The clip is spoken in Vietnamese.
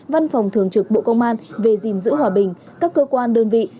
văn phòng thường trực bộ công an về gìn giữ hòa bình các cơ quan đơn vị